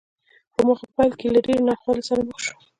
په هماغه پيل کې له ډېرو ناخوالو سره مخ شو.